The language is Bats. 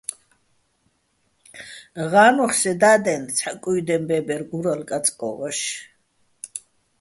ღა́ნოხ სე და́დენ ცჰ̦ა კუ́ჲდეჼ ბე́ბერ გურალო̆ კაწკო́ჼ ვაშ.